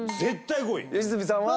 良純さんは？